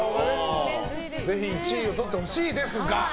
ぜひ１位を取ってほしいですが。